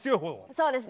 そうですね。